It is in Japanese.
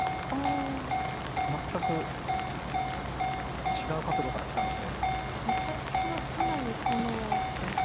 全く違う角度から来たので。